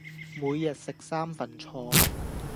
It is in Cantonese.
每日食三份菜